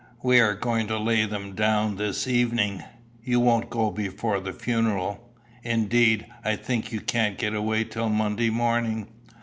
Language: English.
"We are going to lay them down this evening. You won't go before the funeral. Indeed, I think you can't get away till Monday morning.